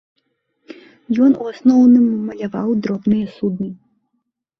Ён у асноўным маляваў дробных судны.